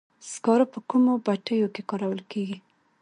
سکاره په کومو بټیو کې کارول کیږي؟